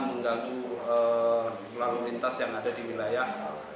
mengganggu lalu lintas yang ada di wilayah